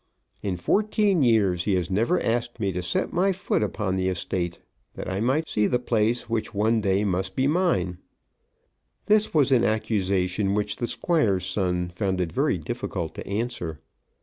In fourteen years he has never asked me to set my foot upon the estate, that I might see the place which must one day be mine." This was an accusation which the Squire's son found it very difficult to answer.